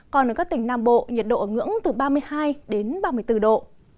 còn ở các tỉnh nam bộ nhiệt độ ở ngưỡng từ ba mươi hai đến ba mươi bốn độ